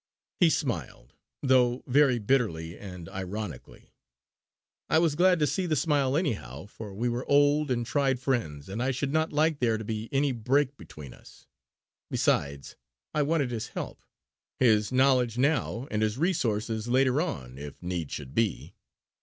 He smiled, though very bitterly and ironically. I was glad to see the smile anyhow, for we were old and tried friends and I should not like there to be any break between us. Besides I wanted his help; his knowledge now, and his resources later on, if need should be.